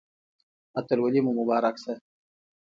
اتلولي مو مبارک شه